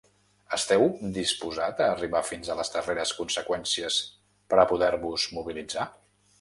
Esteu disposat a arribar fins a les darreres conseqüències per a poder-vos mobilitzar?